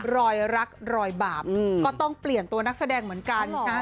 รอยรักรอยบาปก็ต้องเปลี่ยนตัวนักแสดงเหมือนกันนะ